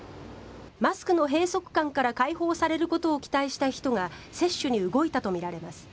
マスクの閉塞感から解放されることを期待した人が接種に動いたとみられます。